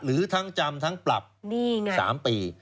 หรือทั้งจำทั้งปรับนี่ไงสามปี